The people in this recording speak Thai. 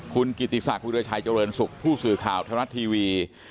คุณกิติศักดิราชัยเจริญสุขผู้สื่อข่าวทรัฐทีวี